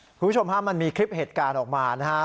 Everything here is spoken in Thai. คุณผู้ชมฮะมันมีคลิปเหตุการณ์ออกมานะฮะ